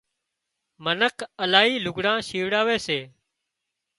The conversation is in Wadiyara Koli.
منک الاهي لگھڙان شيوڙاوي سي